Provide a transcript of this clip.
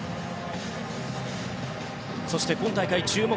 そして今大会注目